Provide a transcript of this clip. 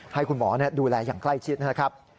ให้คุณหมอดูแลอย่างใกล้ชิดนะครับ